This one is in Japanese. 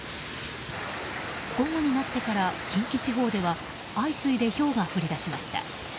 午後になってから近畿地方では相次いでひょうが降りだしました。